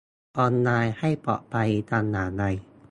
ออนไลน์ให้ปลอดภัยทำอย่างไร